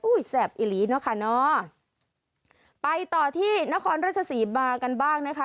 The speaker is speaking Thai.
แสบอิหลีเนอะค่ะเนอะไปต่อที่นครราชสีมากันบ้างนะคะ